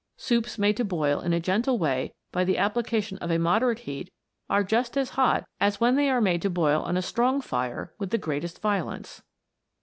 Soups made to boil in a gentle way by the application of a moderate heat, are just as hot as when they are made to boil on a strong fire with the greatest violence.